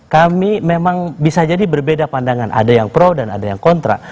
kami memang bisa jadi berbeda pandangan ada yang pro dan ada yang kontra